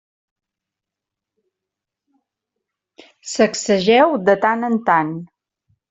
Sacsegeu de tant en tant.